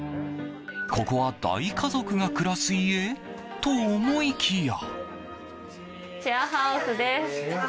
ここは大家族が暮らす家？と思いきや。